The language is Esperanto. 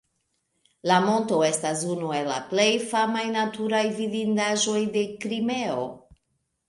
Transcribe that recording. La monto estas unu el la plej famaj naturaj vidindaĵoj de Krimeo.